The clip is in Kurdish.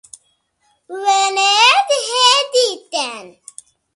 Wêne dihê dîtin